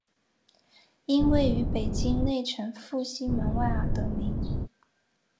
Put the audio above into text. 因位于北京内城复兴门外而得名。